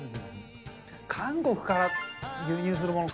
韓国から輸入するものか。